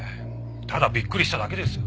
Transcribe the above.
ただびっくりしただけですよ。